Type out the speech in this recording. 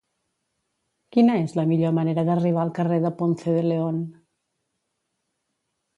Quina és la millor manera d'arribar al carrer de Ponce de León?